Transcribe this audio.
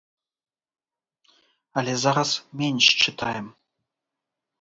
Але зараз менш чытаем.